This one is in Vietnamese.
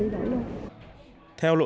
mình đi đổi luôn